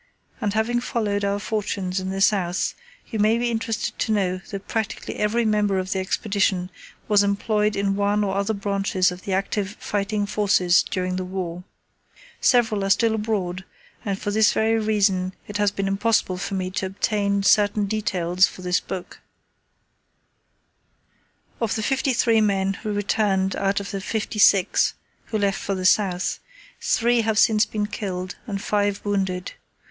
And having followed our fortunes in the South you may be interested to know that practically every member of the Expedition was employed in one or other branches of the active fighting forces during the war. Several are still abroad, and for this very reason it has been impossible for me to obtain certain details for this book. [Illustration: 5. Close Pack] [Illustration: 6. Open Pack] Of the fifty three men who returned out of the fifty six who left for the South, three have since been killed and five wounded.